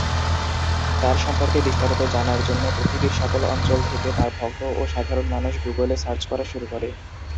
তার সম্পর্কে বিস্তারিত জানার জন্য পৃথিবীর সকল অঞ্চল থেকে তার ভক্ত ও সাধারণ মানুষ গুগল এ সার্চ করা শুরু করে।